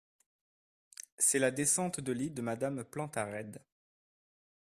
C’est la descente de lit de Madame Plantarède.